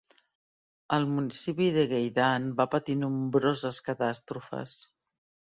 El municipi de Gueydan va patir nombroses catàstrofes.